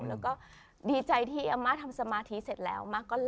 แล้วก็ดีใจที่อาม่าทำสมาธิเสร็จแล้ว